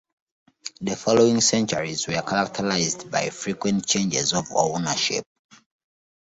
The following centuries were characterized by frequent changes of ownership.